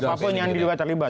siapapun yang diduga terlibat